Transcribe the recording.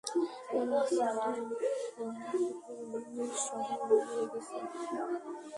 মনে হচ্ছে এই সোপোর তোর নিজ শহর হয়ে গেছে।